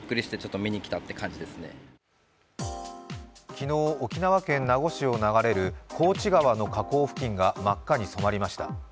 昨日、沖縄県名護市を流れる幸地川河口付近が真っ赤に染まりました。